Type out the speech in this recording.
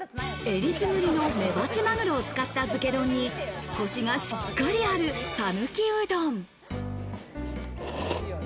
えりすぐりのメバチマグロを使った漬け丼に、コシがしっかりある讃岐うどん。